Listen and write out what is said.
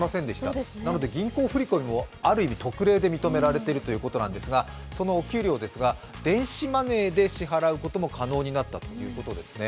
なので、銀行振り込みもある意味特例で認められているということですが、そのお給料ですが電子マネーで支払うことも可能になったということです。